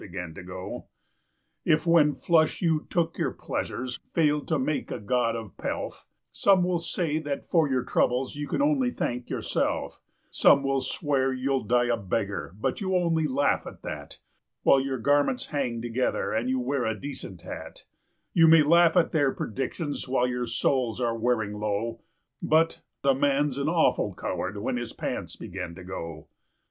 WHEN YOUR PANTS BEGIN TO GO 67 If, when flush, you took your pleasure failed to make a god of Pelf Some will say that for your troubles you can only thank yourself ; Some will swear you'll die a beggar, but you only laugh at that While your garments hang together and you wear a decent hat ; You may laugh at their predictions while your soles are wearing through But a man's an awful coward when his pants are going too